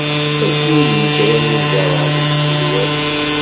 Ayyur d yitran i tzerɛeḍ deg yigenwan.